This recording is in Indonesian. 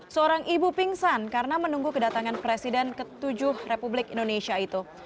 seorang ibu pingsan karena menunggu kedatangan presiden ke tujuh republik indonesia itu